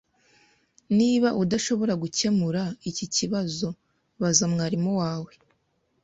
Niba udashobora gukemura iki kibazo, baza mwarimu wawe.